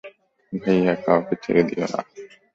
ভাইয়া, কাউকে ছেড়ে দিও না।